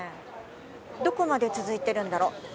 どこまで続いてるんだろう。